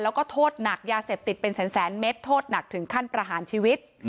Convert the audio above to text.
แล้วก็โทษหนักยาเสพติดเป็นแสนเมตรโทษหนักถึงขั้นประหารชีวิต